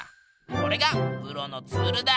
これがプロのツールだ！